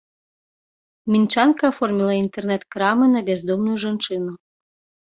Мінчанка аформіла інтэрнэт-крамы на бяздомную жанчыну.